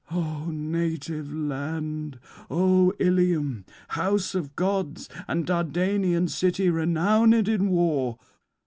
O native land! O Ilium, house of gods, and Dardanian city renowned in war!